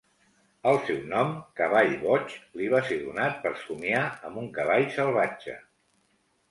El seu nom, Cavall Boig, li va ser donat per somiar amb un cavall salvatge.